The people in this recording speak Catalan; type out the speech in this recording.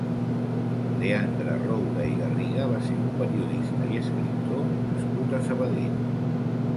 Leandre Roura i Garriga va ser un periodista i escriptor nascut a Sabadell.